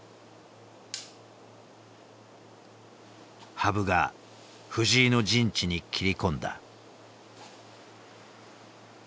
羽生が藤井の陣地に切り込んだ。